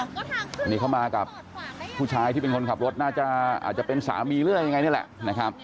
อันนี้เข้ามากับผู้ชายที่เป็นคนขับรถน่าจะเป็นสามีหรืออะไรยังไง